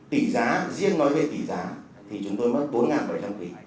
tỷ giá riêng nói về tỷ giá thì chúng tôi mất bốn bảy trăm linh tỷ